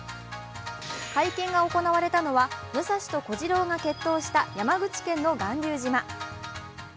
会見が行われたのは武蔵と小次郎が決闘した、山口県の巌流島。